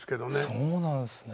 そうなんですね。